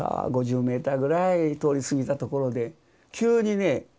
５０メーターぐらい通り過ぎたところで急にね